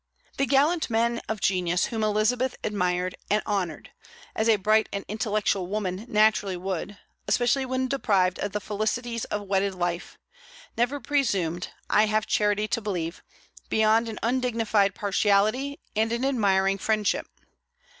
The gallant men of genius whom Elizabeth admired and honored as a bright and intellectual woman naturally would, especially when deprived of the felicities of wedded life never presumed, I have charity to believe, beyond an undignified partiality and an admiring friendship.